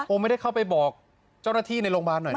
ไม่ได้เข้าไปบอกเจ้าหน้าที่ในโรงพยาบาลหน่อยนะ